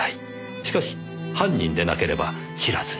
しかし犯人でなければ知らずに飲むでしょう。